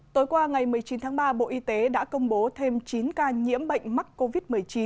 tối qua ngày một mươi chín tháng ba bộ y tế đã công bố thêm chín ca nhiễm bệnh mắc covid một mươi chín